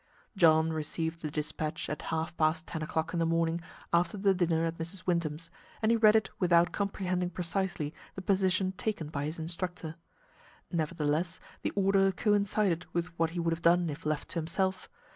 John received the dispatch at half past ten o'clock in the morning after the dinner at Mrs. Wyndham's, and he read it without comprehending precisely the position taken by his instructor. Nevertheless, the order coincided with what he would have done if left to himself.